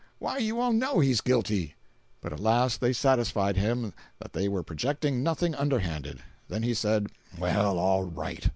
Why you all know he's guilty." But at last they satisfied him that they were projecting nothing underhanded. Then he said: "Well, all right.